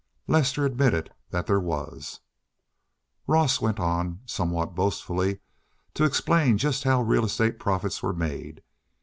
Lester admitted that there was. Ross went on, somewhat boastfully, to explain just how real estate profits were made.